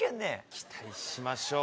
期待しましょう！